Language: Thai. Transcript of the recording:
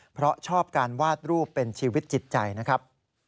เพราะชอบการวาดรูปเป็นชีวิตจิตใจนะครับ